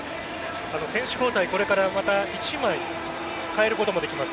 選手交代、これからまた１枚代えることもできます。